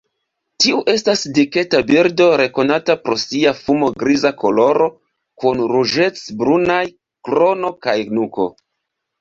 Tiu estas diketa birdo rekonata pro sia fumo-griza koloro kun ruĝec-brunaj krono kaj nuko.